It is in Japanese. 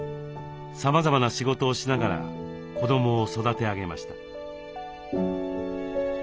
さまざまな仕事をしながら子どもを育て上げました。